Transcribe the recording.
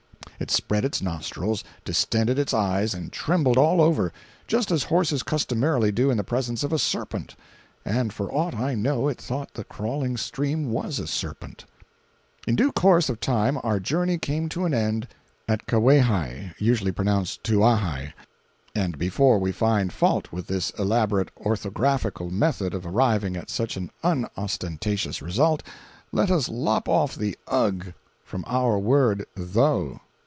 It spread its nostrils, distended its eyes and trembled all over, just as horses customarily do in the presence of a serpent—and for aught I know it thought the crawling stream was a serpent. In due course of time our journey came to an end at Kawaehae (usually pronounced To a hi—and before we find fault with this elaborate orthographical method of arriving at such an unostentatious result, let us lop off the ugh from our word "though").